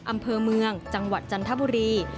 อำเภอเมืองจังหวัดจันทบุรี